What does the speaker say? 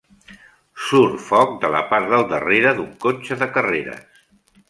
Surt foc de la part del darrere d'un cotxe de carreres.